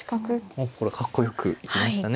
もうこれはかっこよく行きましたね。